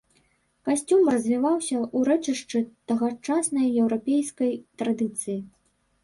Касцюм развіваўся ў рэчышчы тагачаснай еўрапейскай традыцыі.